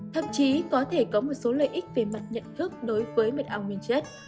thậm chí có thể có một số lợi ích về mặt nhận thức đối với mật ong nguyên chất